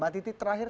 mbak titi terakhir